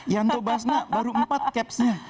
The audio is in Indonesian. yanto basna baru empat capsnya